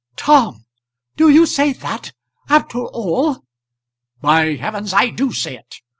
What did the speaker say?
"Tom, do you say that; after all?" "By heavens I do say it!